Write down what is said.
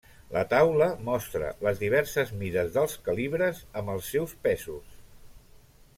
La taula mostra les diverses mides dels calibres amb els seus pesos.